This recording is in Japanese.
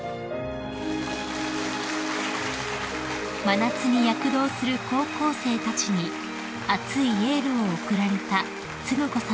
［真夏に躍動する高校生たちに熱いエールを送られた承子さまです］